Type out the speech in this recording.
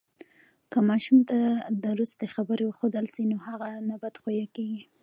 که ماشوم ته درستی خبرې وښودل سي، نو هغه نه بد خویه کیږي.